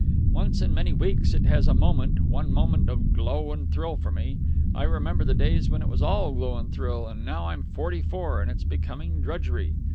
Once in many weeks it has a moment, one moment, of glow and thrill for me; I remember the days when it was all glow and thrill; and now I'm forty four, and it's becoming drudgery.